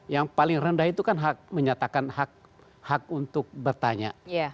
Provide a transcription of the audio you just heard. yang paling rendah itu kan hak menyatakan hak untuk bertanya